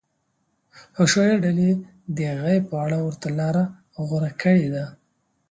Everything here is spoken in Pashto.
حشویه ډلې د غیب په اړه ورته لاره غوره کړې ده.